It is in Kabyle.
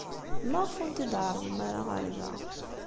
Maɣef ur ten-id-tɛerrḍem ara ɣer da?